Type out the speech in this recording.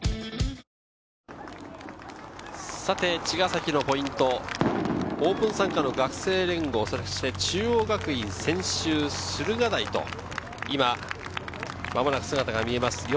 茅ヶ崎のポイント、オープン参加の学生連合、中央学院、専修、駿河台と間もなく姿が見えます。